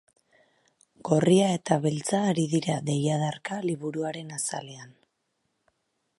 Gorria eta beltza ari dira deiadarka liburuaren azalean,